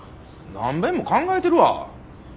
何べんも考えてるわ！